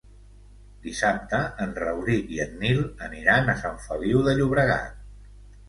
Dissabte en Rauric i en Nil aniran a Sant Feliu de Llobregat.